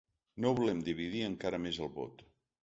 No volem dividir encara més el vot.